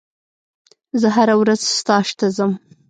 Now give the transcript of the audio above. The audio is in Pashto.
زه هره ورځ ستاژ ته ځم.